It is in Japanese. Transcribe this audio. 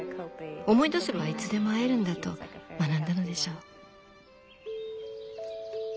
思い出せばいつでも会えるんだと学んだのでしょう。